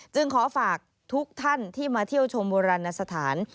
ขอฝากทุกท่านที่มาเที่ยวชมโบราณสถาน